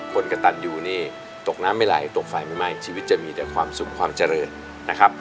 กระตันอยู่นี่ตกน้ำไม่ไหลตกไฟไม่ไหม้ชีวิตจะมีแต่ความสุขความเจริญนะครับ